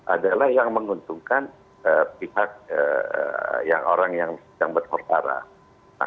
adalah yang menguntungkan pihak yang orang yang berkorparan